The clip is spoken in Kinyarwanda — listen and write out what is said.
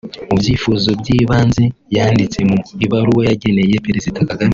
Mu byifuzo by’ibanze yanditse mu ibaruwa yageneye Perezida Kagame